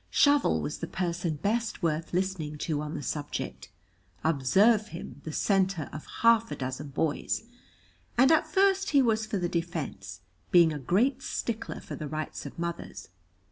Shovel was the person best worth listening to on the subject (observe him, the centre of half a dozen boys), and at first he was for the defence, being a great stickler for the rights of mothers.